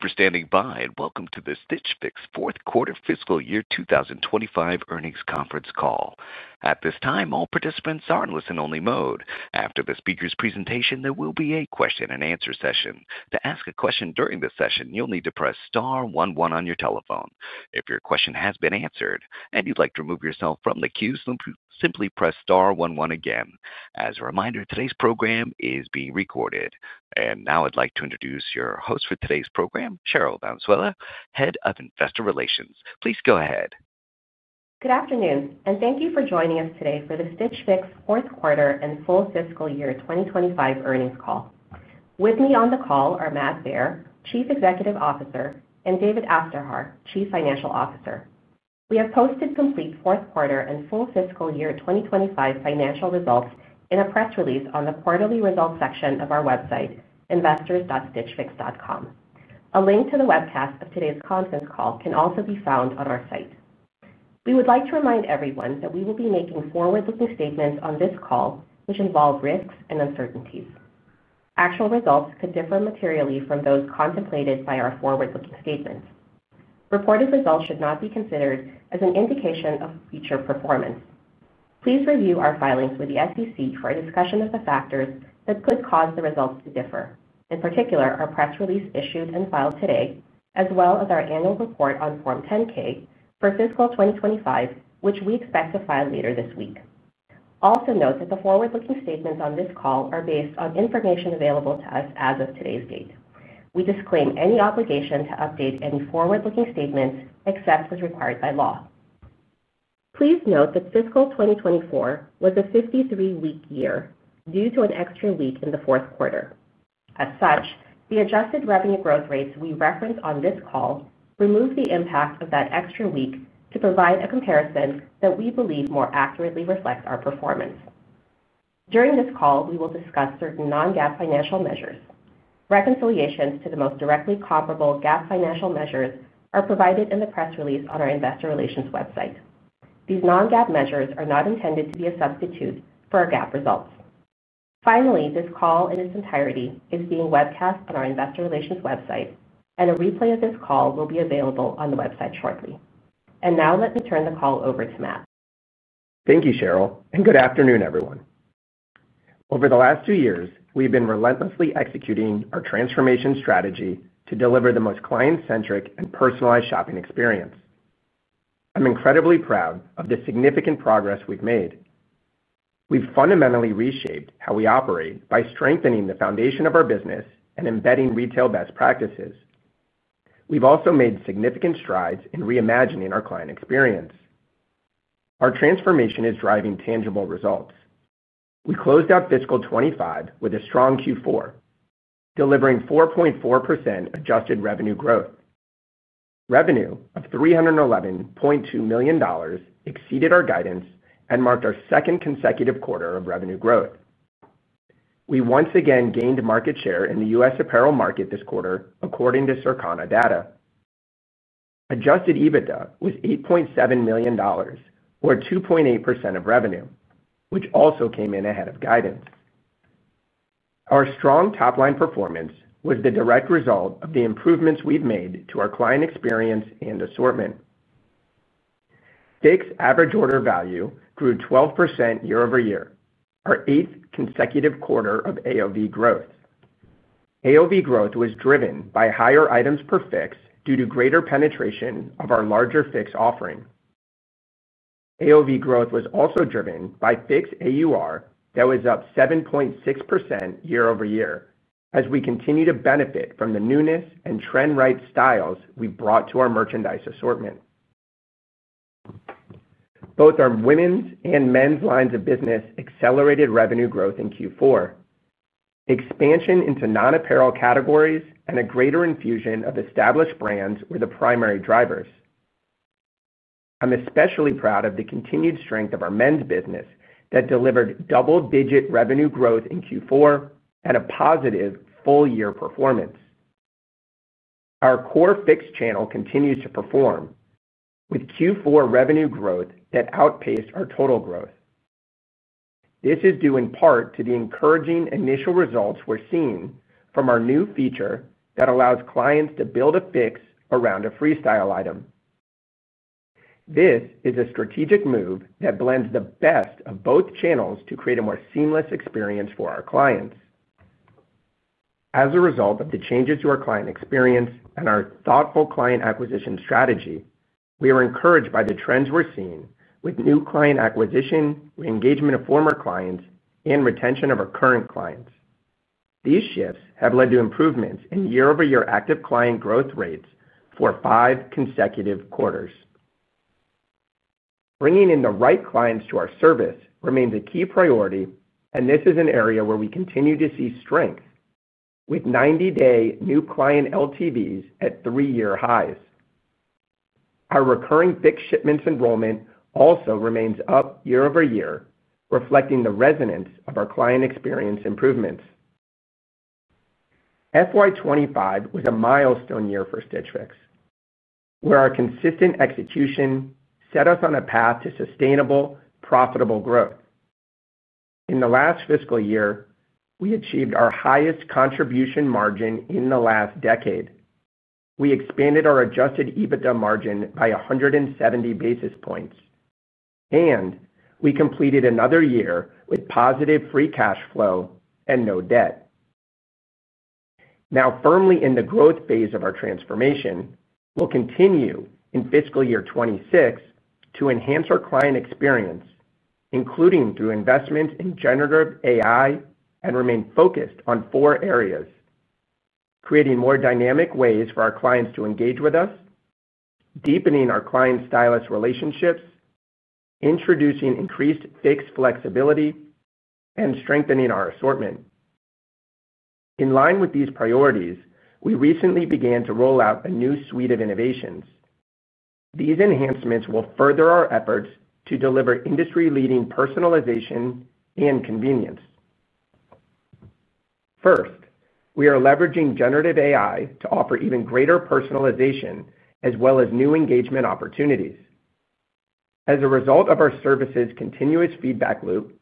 Thank you for standing by and welcome to the Stitch Fix Fourth Quarter Fiscal Year 2025 Earnings Conference Call. At this time, all participants are in listen-only mode. After the speaker's presentation, there will be a question and answer session. To ask a question during this session, you'll need to press star one-one on your telephone. If your question has been answered and you'd like to remove yourself from the queue, simply press star one-one again. As a reminder, today's program is being recorded. Now I'd like to introduce your host for today's program, Cherryl Valenzuela, Head of Investor Relations. Please go ahead. Good afternoon, and thank you for joining us today for the Stitch Fix Fourth Quarter and Full Fiscal Year 2025 Earnings Call. With me on the call are Matt Baer, Chief Executive Officer, and David Aufderhaar, Chief Financial Officer. We have posted complete Fourth Quarter and Full Fiscal Year 2025 financial results in a press release on the quarterly results section of our website, investors.stitchfix.com. A link to the webcast of today's conference call can also be found on our site. We would like to remind everyone that we will be making forward-looking statements on this call, which involve risks and uncertainties. Actual results could differ materially from those contemplated by our forward-looking statement. Reported results should not be considered as an indication of future performance. Please review our filings with the SEC for a discussion of the factors that could cause the results to differ. In particular, our press release issued and filed today, as well as our annual report on Form 10-K for fiscal 2025, which we expect to file later this week. Also note that the forward-looking statements on this call are based on information available to us as of today's date. We disclaim any obligation to update any forward-looking statement except as required by law. Please note that fiscal 2024 was a 53-week year due to an extra week in the fourth quarter. As such, the adjusted revenue growth rates we reference on this call remove the impact of that extra week to provide a comparison that we believe more accurately reflects our performance. During this call, we will discuss certain non-GAAP financial measures. Reconciliations to the most directly comparable GAAP financial measures are provided in the press release on our Investor Relations website. These non-GAAP measures are not intended to be a substitute for our GAAP results. Finally, this call in its entirety is being webcast on our Investor Relations website, and a replay of this call will be available on the website shortly. Now let me turn the call over to Matt. Thank you, Cherryl, and good afternoon, everyone. Over the last two years, we've been relentlessly executing our transformation strategy to deliver the most client-centric and personalized shopping experience. I'm incredibly proud of the significant progress we've made. We've fundamentally reshaped how we operate by strengthening the foundation of our business and embedding retail best practices. We've also made significant strides in reimagining our client experience. Our transformation is driving tangible results. We closed out fiscal 2025 with a strong Q4, delivering 4.4% adjusted revenue growth. Revenue of $311.2 million exceeded our guidance and marked our second consecutive quarter of revenue growth. We once again gained market share in the U.S. apparel market this quarter, according to Circana data. Adjusted EBITDA was $8.7 million, or 2.8% of revenue, which also came in ahead of guidance. Our strong top-line performance was the direct result of the improvements we've made to our client experience and assortment. Fix average order value grew 12% year-over-year, our eighth consecutive quarter of AOV growth. AOV growth was driven by higher items per Fix due to greater penetration of our larger Fix offering. AOV growth was also driven by Fix AUR that was up 7.6% year-over-year, as we continue to benefit from the newness and trend-right styles we've brought to our merchandise assortment. Both our women's and men's lines of business accelerated revenue growth in Q4. Expansion into non-apparel categories and a greater infusion of established brands were the primary drivers. I'm especially proud of the continued strength of our men's business that delivered double-digit revenue growth in Q4 and a positive full-year performance. Our core Fix channel continues to perform, with Q4 revenue growth that outpaced our total growth. This is due in part to the encouraging initial results we're seeing from our new feature that allows clients to build a Fix around a Freestyle item. This is a strategic move that blends the best of both channels to create a more seamless experience for our clients. As a result of the changes to our client experience and our thoughtful client acquisition strategy, we are encouraged by the trends we're seeing with new client acquisition, re-engagement of former clients, and retention of our current clients. These shifts have led to improvements in year-over-year active client growth rates for five consecutive quarters. Bringing in the right clients to our service remains a key priority, and this is an area where we continue to see strength, with 90-day new client LTVs at three-year highs. Our recurring Fix shipments enrollment also remains up year-over-year, reflecting the resonance of our client experience improvements. FY 2025 was a milestone year for Stitch Fix, where our consistent execution set us on a path to sustainable, profitable growth. In the last fiscal year, we achieved our highest contribution margin in the last decade. We expanded our adjusted EBITDA margin by 170 basis points, and we completed another year with positive free cash flow and no debt. Now firmly in the growth phase of our transformation, we will continue in fiscal year 2026 to enhance our client experience, including through investments in generative AI, and remain focused on four areas: creating more dynamic ways for our clients to engage with us, deepening our client-stylist relationships, introducing increased Fix flexibility, and strengthening our assortment. In line with these priorities, we recently began to roll out a new suite of innovations. These enhancements will further our efforts to deliver industry-leading personalization and convenience. First, we are leveraging generative AI to offer even greater personalization, as well as new engagement opportunities. As a result of our service's continuous feedback loop,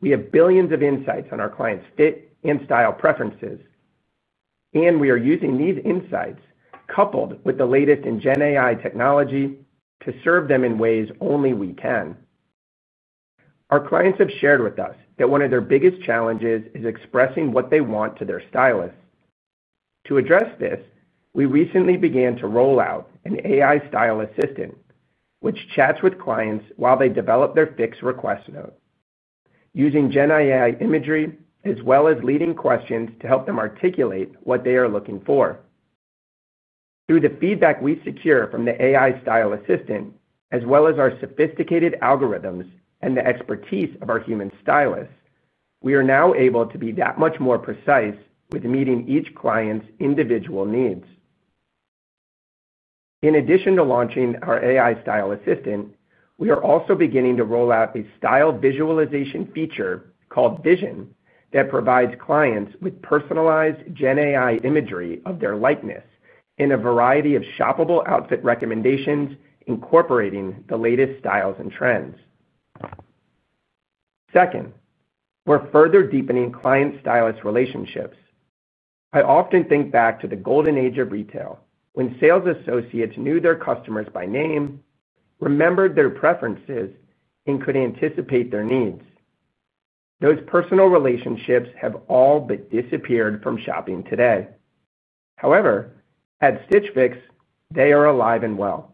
we have billions of insights on our clients' fit and style preferences, and we are using these insights, coupled with the latest in GenAI technology, to serve them in ways only we can. Our clients have shared with us that one of their biggest challenges is expressing what they want to their stylist. To address this, we recently began to roll out an AI style assistant, which chats with clients while they develop their Fix request note, using GenAI imagery, as well as leading questions to help them articulate what they are looking for. Through the feedback we secure from the AI style assistant, as well as our sophisticated algorithms and the expertise of our human stylist, we are now able to be that much more precise with meeting each client's individual needs. In addition to launching our AI style assistant, we are also beginning to roll out a style visualization feature called Vision that provides clients with personalized GenAI imagery of their likeness in a variety of shoppable outfit recommendations, incorporating the latest styles and trends. Second, we're further deepening client-stylist relationships. I often think back to the golden age of retail, when sales associates knew their customers by name, remembered their preferences, and could anticipate their needs. Those personal relationships have all but disappeared from shopping today. However, at Stitch Fix, they are alive and well.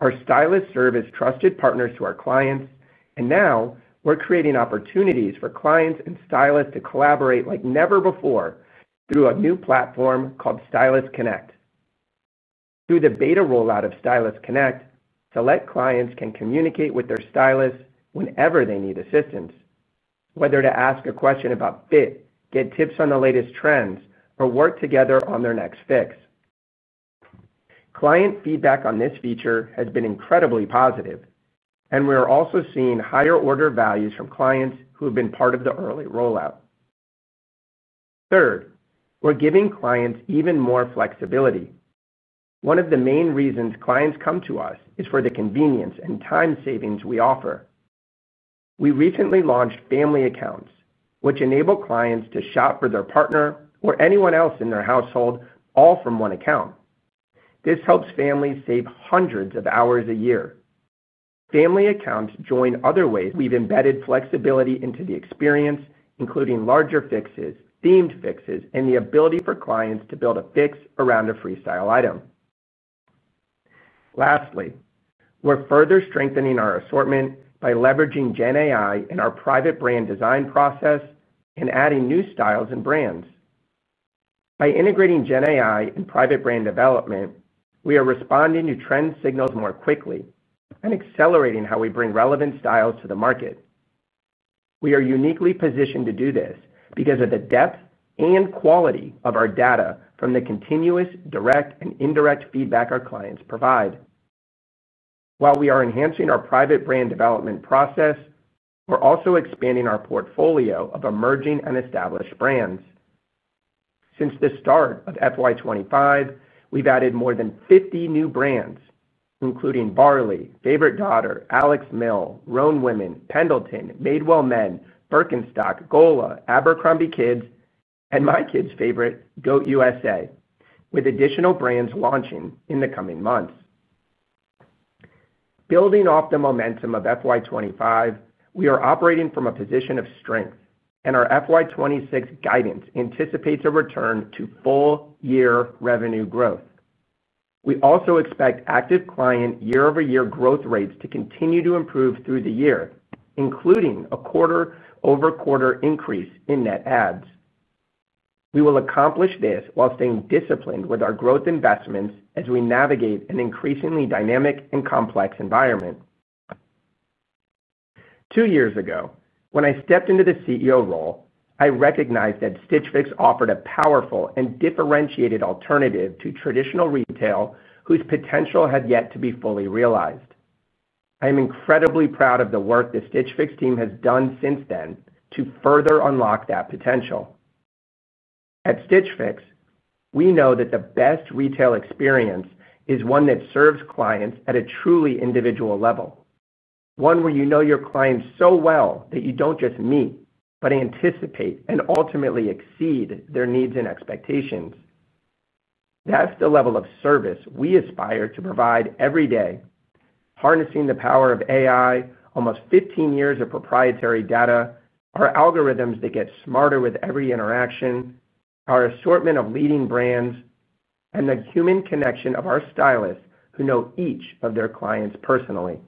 Our stylists serve as trusted partners to our clients, and now we're creating opportunities for clients and stylists to collaborate like never before through a new platform called Stylist Connect. Through the beta rollout of Stylist Connect, select clients can communicate with their stylists whenever they need assistance, whether to ask a question about fit, get tips on the latest trends, or work together on their next Fix. Client feedback on this feature has been incredibly positive, and we are also seeing higher order values from clients who have been part of the early rollout. Third, we're giving clients even more flexibility. One of the main reasons clients come to us is for the convenience and time savings we offer. We recently launched family accounts, which enable clients to shop for their partner or anyone else in their household, all from one account. This helps families save hundreds of hours a year. Family accounts join other ways we've embedded flexibility into the experience, including larger Fixes, themed Fixes, and the ability for clients to build a Fix around a Freestyle item. Lastly, we're further strengthening our assortment by leveraging GenAI in our private brand design process and adding new styles and brands. By integrating GenAI in private brand development, we are responding to trend signals more quickly and accelerating how we bring relevant styles to the market. We are uniquely positioned to do this because of the depth and quality of our data from the continuous direct and indirect feedback our clients provide. While we are enhancing our private brand development process, we're also expanding our portfolio of emerging and established brands. Since the start of FY 2025, we've added more than 50 new brands, including Varley, Favorite Daughter, Alex Mill, Rhone Women, Pendleton, Madewell Men, Birkenstock, Gola, Abercrombie Kids, and my kids' favorite, GOAT USA, with additional brands launching in the coming months. Building off the momentum of FY 2025, we are operating from a position of strength, and our FY 2026 guidance anticipates a return to full-year revenue growth. We also expect active client year-over-year growth rates to continue to improve through the year, including a quarter-over-quarter increase in net adds. We will accomplish this while staying disciplined with our growth investments as we navigate an increasingly dynamic and complex environment. Two years ago, when I stepped into the CEO role, I recognized that Stitch Fix offered a powerful and differentiated alternative to traditional retail whose potential had yet to be fully realized. I am incredibly proud of the work the Stitch Fix team has done since then to further unlock that potential. At Stitch Fix, we know that the best retail experience is one that serves clients at a truly individual level, one where you know your clients so well that you don't just meet, but anticipate and ultimately exceed their needs and expectations. That's the level of service we aspire to provide every day, harnessing the power of AI, almost 15 years of proprietary data, our algorithms that get smarter with every interaction, our assortment of leading brands, and the human connection of our stylists who know each of their clients personally.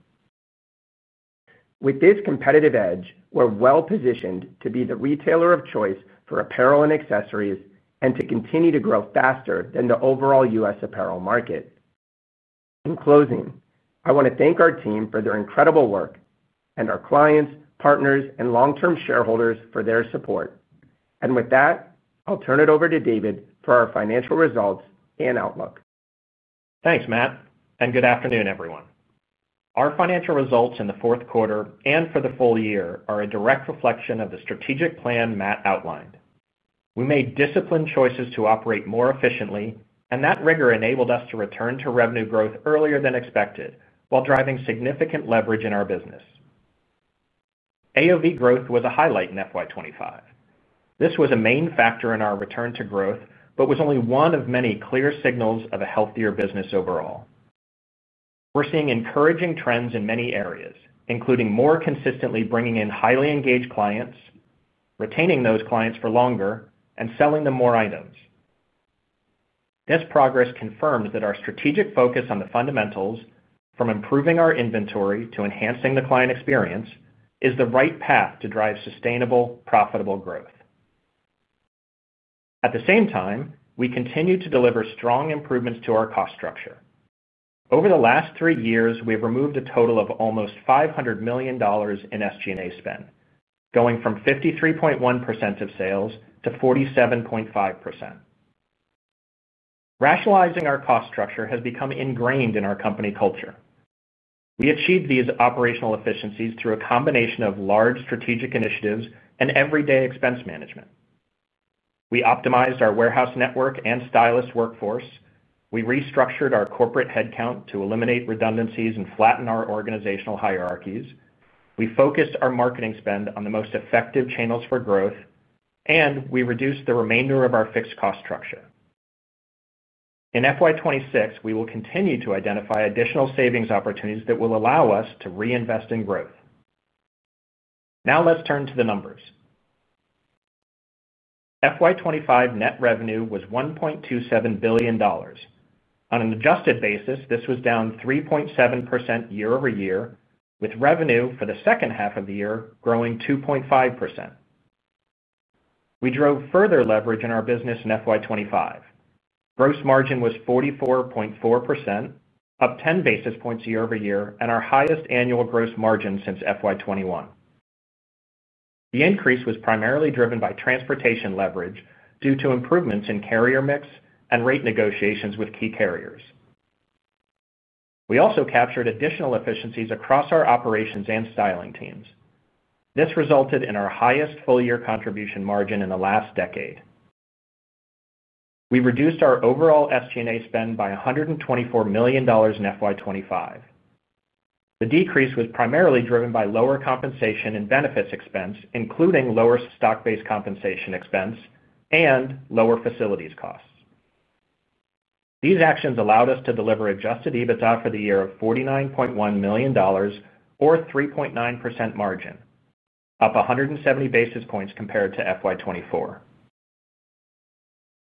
With this competitive edge, we're well positioned to be the retailer of choice for apparel and accessories and to continue to grow faster than the overall U.S. apparel market. In closing, I want to thank our team for their incredible work and our clients, partners, and long-term shareholders for their support. With that, I'll turn it over to David for our financial results and outlook. Thanks, Matt, and good afternoon, everyone. Our financial results in the fourth quarter and for the full year are a direct reflection of the strategic plan Matt outlined. We made disciplined choices to operate more efficiently, and that rigor enabled us to return to revenue growth earlier than expected, while driving significant leverage in our business. AOV growth was a highlight in FY 2025. This was a main factor in our return to growth, but was only one of many clear signals of a healthier business overall. We're seeing encouraging trends in many areas, including more consistently bringing in highly engaged clients, retaining those clients for longer, and selling them more items. This progress confirms that our strategic focus on the fundamentals, from improving our inventory to enhancing the client experience, is the right path to drive sustainable, profitable growth. At the same time, we continue to deliver strong improvements to our cost structure. Over the last three years, we have removed a total of almost $500 million in SG&A spend, going from 53.1% of sales to 47.5%. Rationalizing our cost structure has become ingrained in our company culture. We achieved these operational efficiencies through a combination of large strategic initiatives and everyday expense management. We optimized our warehouse network and stylist workforce. We restructured our corporate headcount to eliminate redundancies and flatten our organizational hierarchies. We focused our marketing spend on the most effective channels for growth, and we reduced the remainder of our fixed cost structure. In FY 2026, we will continue to identify additional savings opportunities that will allow us to reinvest in growth. Now let's turn to the numbers. FY 2025 net revenue was $1.27 billion. On an adjusted basis, this was down 3.7% year-over-year, with revenue for the second half of the year growing 2.5%. We drove further leverage in our business in FY 2025. Gross margin was 44.4%, up 10 basis points year-over-year, and our highest annual gross margin since FY 2021. The increase was primarily driven by transportation leverage due to improvements in carrier mix and rate negotiations with key carriers. We also captured additional efficiencies across our operations and styling teams. This resulted in our highest full-year contribution margin in the last decade. We reduced our overall SG&A spend by $124 million in FY 2025. The decrease was primarily driven by lower compensation and benefits expense, including lower stock-based compensation expense and lower facilities costs. These actions allowed us to deliver adjusted EBITDA for the year of $49.1 million, or a 3.9% margin, up 170 basis points compared to FY 2024.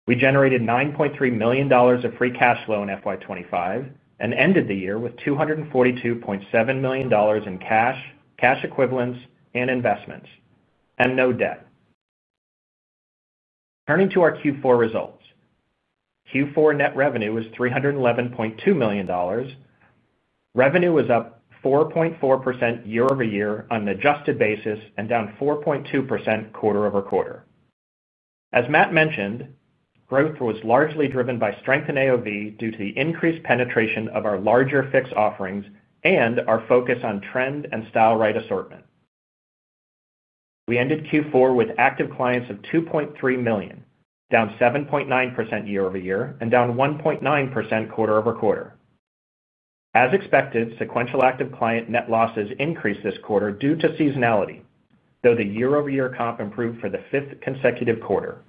We generated $9.3 million of free cash flow in FY 2025 and ended the year with $242.7 million in cash, cash equivalents, and investments, and no debt. Turning to our Q4 results, Q4 net revenue was $311.2 million. Revenue was up 4.4% year-over-year on an adjusted basis and down 4.2% quarter-over-quarter. As Matt mentioned, growth was largely driven by strength in AOV due to the increased penetration of our larger Fix offerings and our focus on trend and style right assortment. We ended Q4 with active clients of 2.3 million, down 7.9% year-over-year and down 1.9% quarter-over-quarter. As expected, sequential active client net losses increased this quarter due to seasonality, though the year-over-year comp improved for the fifth consecutive quarter.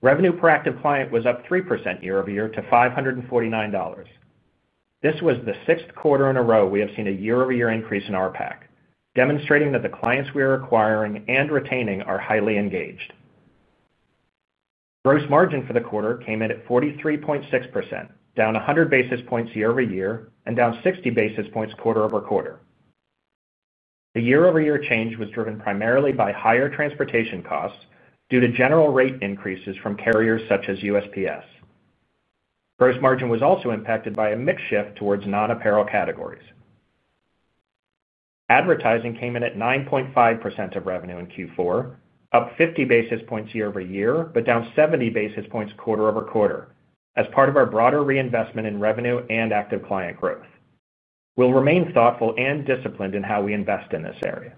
Revenue per active client was up 3% year-over-year to $549. This was the sixth quarter in a row we have seen a year-over-year increase in our PAC, demonstrating that the clients we are acquiring and retaining are highly engaged. Gross margin for the quarter came in at 43.6%, down 100 basis points year-over-year and down 60 basis points quarter-over-quarter. The year-over-year change was driven primarily by higher transportation costs due to general rate increases from carriers such as USPS. Gross margin was also impacted by a mix shift towards non-apparel categories. Advertising came in at 9.5% of revenue in Q4, up 50 basis points year-over-year but down 70 basis points quarter-over-quarter as part of our broader reinvestment in revenue and active client growth. We will remain thoughtful and disciplined in how we invest in this area.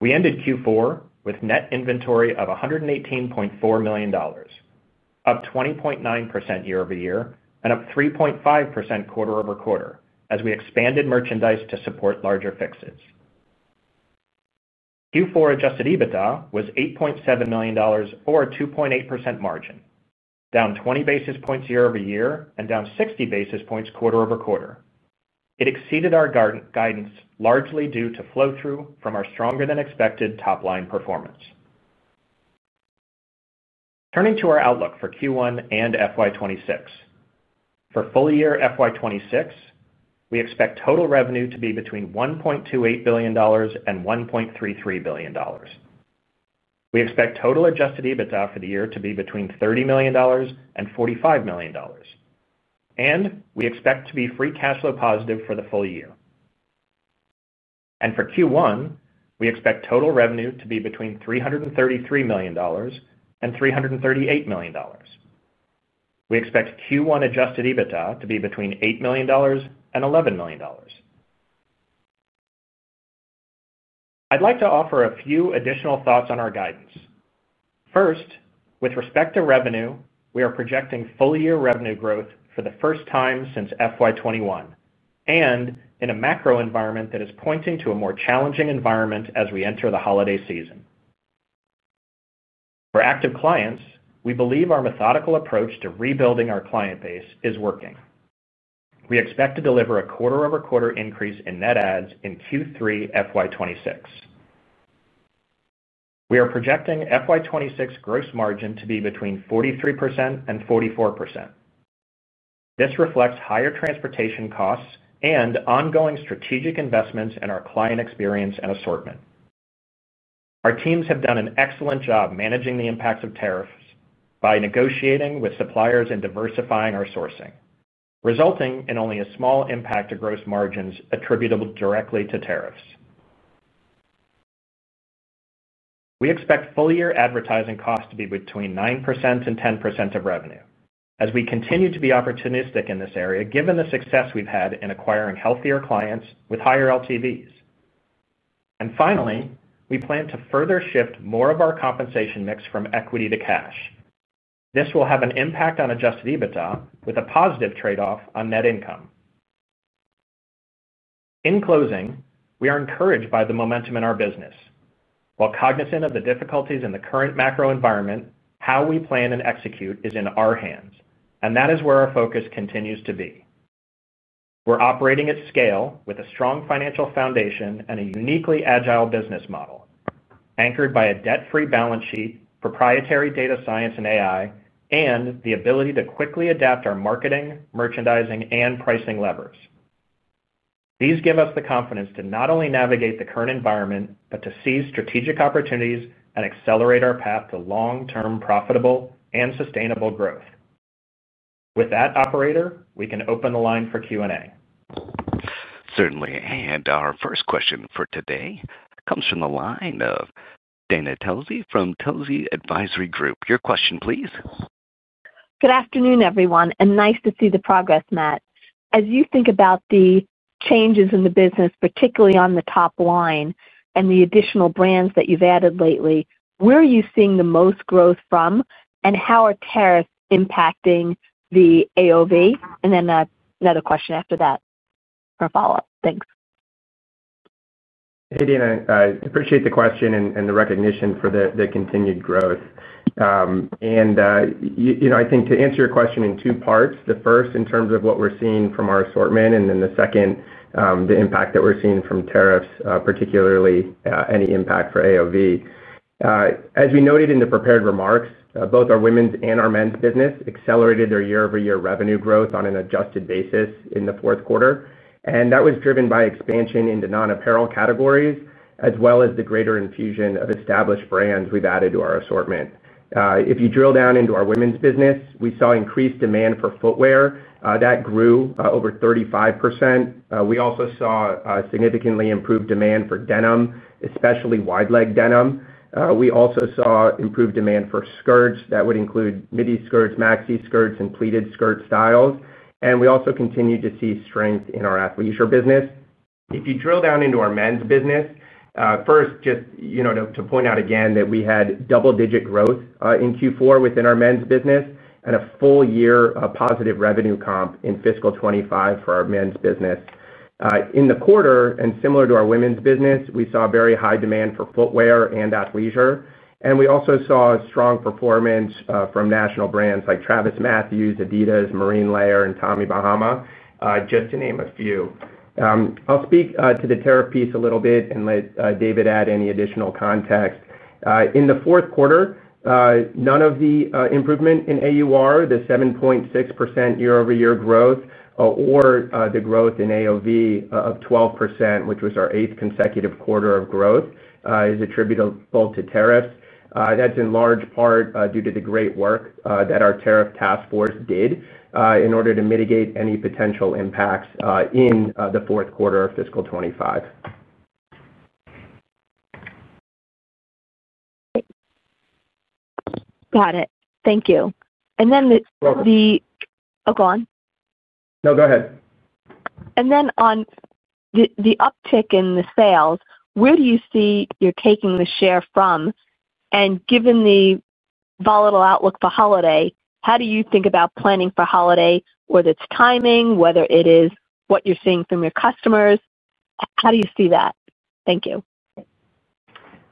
We ended Q4 with net inventory of $118.4 million, up 20.9% year-over-year and up 3.5% quarter-over-quarter as we expanded merchandise to support larger fixes. Q4 adjusted EBITDA was $8.7 million or a 2.8% margin, down 20 basis points year-over-year and down 60 basis points quarter-over-quarter. It exceeded our guidance largely due to flow-through from our stronger than expected top-line performance. Turning to our outlook for Q1 and FY 2026, for full year FY 2026, we expect total revenue to be between $1.28 billion and $1.33 billion. We expect total adjusted EBITDA for the year to be between $30 million and $45 million, and we expect to be free cash flow positive for the full year. For Q1, we expect total revenue to be between $333 million and $338 million. We expect Q1 adjusted EBITDA to be between $8 million and $11 million. I would like to offer a few additional thoughts on our guidance. First, with respect to revenue, we are projecting full-year revenue growth for the first time since FY 2021 and in a macro environment that is pointing to a more challenging environment as we enter the holiday season. For active clients, we believe our methodical approach to rebuilding our client base is working. We expect to deliver a quarter-over-quarter increase in net adds in Q3 FY 2026. We are projecting FY 2026 gross margin to be between 43% and 44%. This reflects higher transportation costs and ongoing strategic investments in our client experience and assortment. Our teams have done an excellent job managing the impacts of tariffs by negotiating with suppliers and diversifying our sourcing, resulting in only a small impact to gross margins attributable directly to tariffs. We expect full-year advertising costs to be between 9% and 10% of revenue, as we continue to be opportunistic in this area given the success we've had in acquiring healthier clients with higher LTVs. Finally, we plan to further shift more of our compensation mix from equity to cash. This will have an impact on adjusted EBITDA with a positive trade-off on net income. In closing, we are encouraged by the momentum in our business. While cognizant of the difficulties in the current macro environment, how we plan and execute is in our hands, and that is where our focus continues to be. We're operating at scale with a strong financial foundation and a uniquely agile business model, anchored by a debt-free balance sheet, proprietary data science and AI, and the ability to quickly adapt our marketing, merchandising, and pricing levers. These give us the confidence to not only navigate the current environment but to seize strategic opportunities and accelerate our path to long-term profitable and sustainable growth. With that, operator, we can open the line for Q&A. Certainly, and our first question for today comes from the line of Dana Telsey from Telsey Advisory Group. Your question, please. Good afternoon, everyone, and nice to see the progress, Matt. As you think about the changes in the business, particularly on the top line and the additional brands that you've added lately, where are you seeing the most growth from, and how are tariffs impacting the AOV? I have another question after that for a follow-up. Thanks. Hey, Dana, I appreciate the question and the recognition for the continued growth. I think to answer your question in two parts, the first in terms of what we're seeing from our assortment and then the second, the impact that we're seeing from tariffs, particularly any impact for AOV. As we noted in the prepared remarks, both our women's and our men's business accelerated their year-over-year revenue growth on an adjusted basis in the fourth quarter, and that was driven by expansion into non-apparel categories, as well as the greater infusion of established brands we've added to our assortment. If you drill down into our women's business, we saw increased demand for footwear that grew over 35%. We also saw significantly improved demand for denim, especially wide-leg denim. We also saw improved demand for skirts that would include midi skirts, maxi skirts, and pleated skirt styles. We also continue to see strength in our athleisure business. If you drill down into our men's business, just to point out again that we had double-digit growth in Q4 within our men's business and a full-year positive revenue comp in fiscal 2025 for our men's business. In the quarter, and similar to our women's business, we saw very high demand for footwear and athleisure, and we also saw strong performance from national brands like TravisMathew, Adidas, Marine Layer, and Tommy Bahama, just to name a few. I'll speak to the tariff piece a little bit and let David add any additional context. In the fourth quarter, none of the improvement in AUR, the 7.6% year-over-year growth, or the growth in AOV of 12%, which was our eighth consecutive quarter of growth, is attributable to tariffs. That is in large part due to the great work that our tariff task force did in order to mitigate any potential impacts in the fourth quarter of fiscal 2025. Got it. Thank you. Then the—oh, go on. No, go ahead. On the uptick in the sales, where do you see you're taking the share from? Given the volatile outlook for holiday, how do you think about planning for holiday, whether it's timing, whether it is what you're seeing from your customers? How do you see that? Thank you.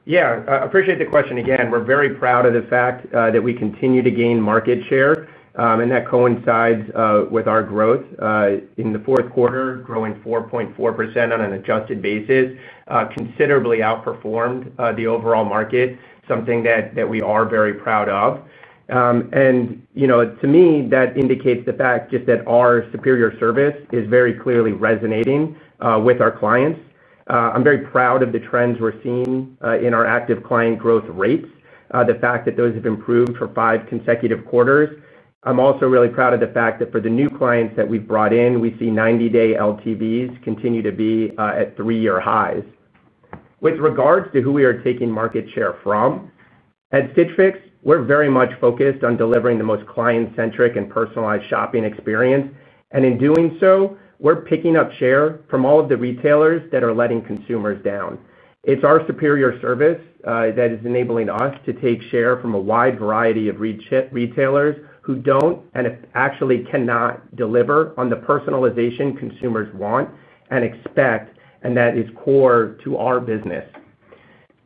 Yeah, I appreciate the question. We're very proud of the fact that we continue to gain market share, and that coincides with our growth in the fourth quarter, growing 4.4% on an adjusted basis, considerably outperformed the overall market, something that we are very proud of. To me, that indicates the fact just that our superior service is very clearly resonating with our clients. I'm very proud of the trends we're seeing in our active client growth rates, the fact that those have improved for five consecutive quarters. I'm also really proud of the fact that for the new clients that we've brought in, we see 90-day LTVs continue to be at three-year highs. With regards to who we are taking market share from, at Stitch Fix, we're very much focused on delivering the most client-centric and personalized shopping experience. In doing so, we're picking up share from all of the retailers that are letting consumers down. It's our superior service that is enabling us to take share from a wide variety of retailers who don't and actually cannot deliver on the personalization consumers want and expect, and that is core to our business.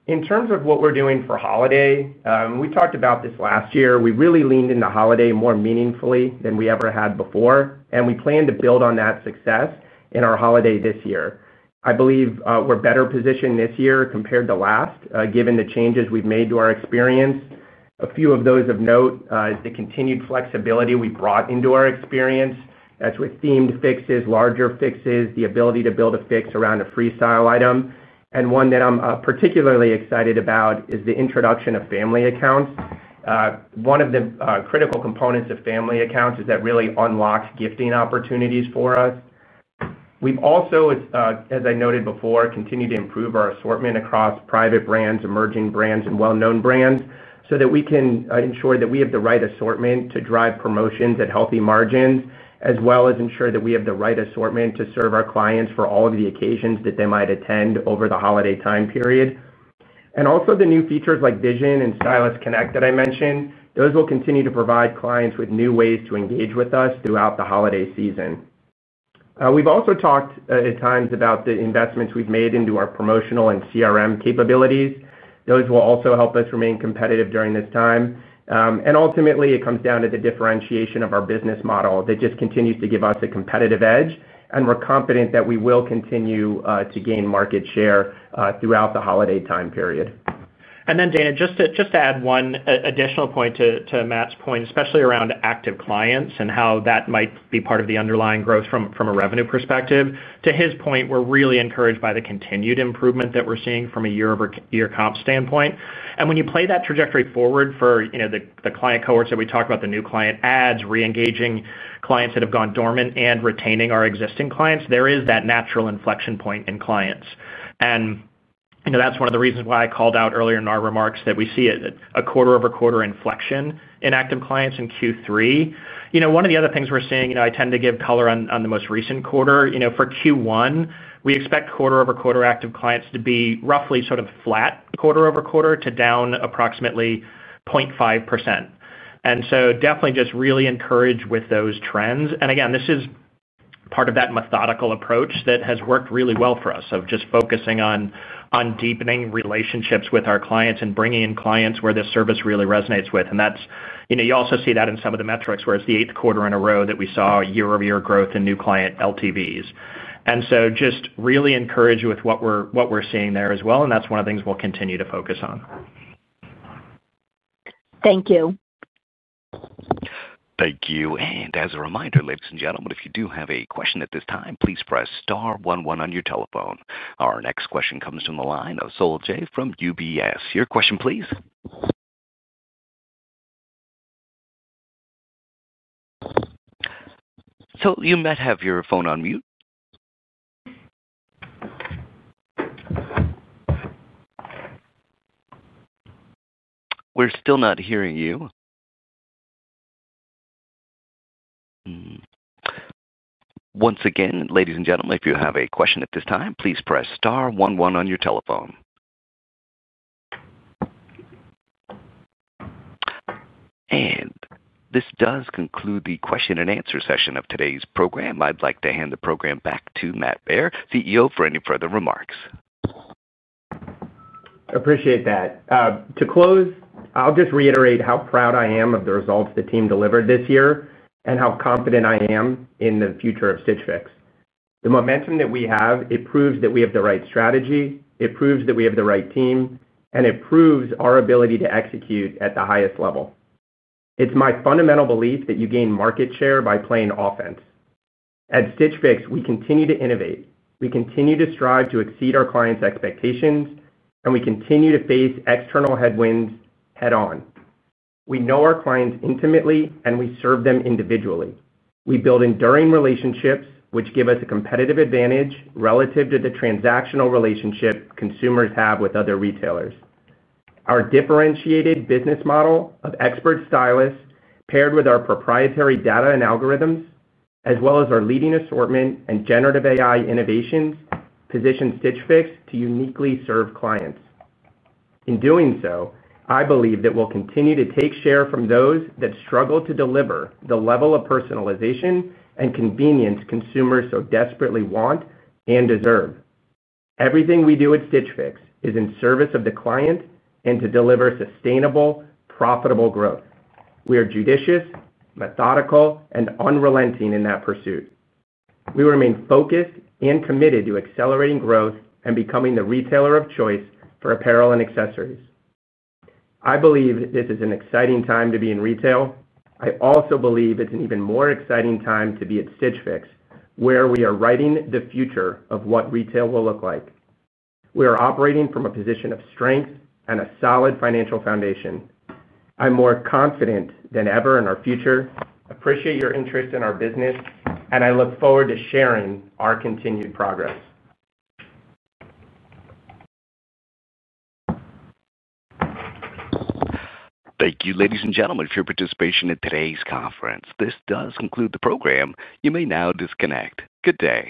In terms of what we're doing for holiday, we talked about this last year. We really leaned into holiday more meaningfully than we ever had before, and we plan to build on that success in our holiday this year. I believe we're better positioned this year compared to last, given the changes we've made to our experience. A few of those of note are the continued flexibility we've brought into our experience. That's with themed Fixes, larger Fixes, the ability to build a Fix around a Freestyle item. One that I'm particularly excited about is the introduction of family accounts. One of the critical components of family accounts is that really unlocks gifting opportunities for us. We've also, as I noted before, continued to improve our assortment across private brands, emerging brands, and well-known brands so that we can ensure that we have the right assortment to drive promotions at healthy margins, as well as ensure that we have the right assortment to serve our clients for all of the occasions that they might attend over the holiday time period. Also, the new features like Vision and Stylist Connect that I mentioned, those will continue to provide clients with new ways to engage with us throughout the holiday season. We've also talked at times about the investments we've made into our promotional and CRM capabilities. Those will also help us remain competitive during this time. Ultimately, it comes down to the differentiation of our business model that just continues to give us a competitive edge, and we're confident that we will continue to gain market share throughout the holiday time period. Dana, just to add one additional point to Matt's point, especially around active clients and how that might be part of the underlying growth from a revenue perspective. To his point, we're really encouraged by the continued improvement that we're seeing from a year-over-year comp standpoint. When you play that trajectory forward for the client cohorts that we talked about, the new client adds, re-engaging clients that have gone dormant, and retaining our existing clients, there is that natural inflection point in clients. That is one of the reasons why I called out earlier in our remarks that we see a quarter-over-quarter inflection in active clients in Q3. One of the other things we're seeing, I tend to give color on the most recent quarter. For Q1, we expect quarter-over-quarter active clients to be roughly sort of flat quarter-over-quarter to down approximately 0.5%. Definitely just really encouraged with those trends. This is part of that methodical approach that has worked really well for us of just focusing on deepening relationships with our clients and bringing in clients where this service really resonates with. You also see that in some of the metrics where it's the eighth quarter in a row that we saw year-over-year growth in new client LTVs. Just really encouraged with what we're seeing there as well. That is one of the things we'll continue to focus on. Thank you. Thank you. As a reminder, ladies and gentlemen, if you do have a question at this time, please press star one-one on your telephone. Our next question comes from the line of Sole Jay from UBS. Your question, please. You might have your phone on mute. We're still not hearing you. Once again, ladies and gentlemen, if you have a question at this time, please press star one-one on your telephone. This does conclude the question and answer session of today's program. I'd like to hand the program back to Matt Baer, CEO, for any further remarks. Appreciate that. To close, I'll just reiterate how proud I am of the results the team delivered this year and how confident I am in the future of Stitch Fix. The momentum that we have proves that we have the right strategy, it proves that we have the right team, and it proves our ability to execute at the highest level. It's my fundamental belief that you gain market share by playing offense. At Stitch Fix, we continue to innovate. We continue to strive to exceed our clients' expectations, and we continue to face external headwinds head-on. We know our clients intimately, and we serve them individually. We build enduring relationships, which give us a competitive advantage relative to the transactional relationship consumers have with other retailers. Our differentiated business model of expert stylists, paired with our proprietary data and algorithms, as well as our leading assortment and generative AI innovations, position Stitch Fix to uniquely serve clients. In doing so, I believe that we'll continue to take share from those that struggle to deliver the level of personalization and convenience consumers so desperately want and deserve. Everything we do at Stitch Fix is in service of the client and to deliver sustainable, profitable growth. We are judicious, methodical, and unrelenting in that pursuit. We remain focused and committed to accelerating growth and becoming the retailer of choice for apparel and accessories. I believe this is an exciting time to be in retail. I also believe it's an even more exciting time to be at Stitch Fix, where we are writing the future of what retail will look like. We are operating from a position of strength and a solid financial foundation. I'm more confident than ever in our future. Appreciate your interest in our business, and I look forward to sharing our continued progress. Thank you, ladies and gentlemen, for your participation in today's conference. This does conclude the program. You may now disconnect. Good day.